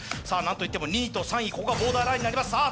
さぁ何と言っても２位と３位ここがボーダーラインになります。